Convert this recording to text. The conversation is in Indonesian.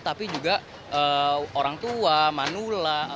tapi juga orang tua manula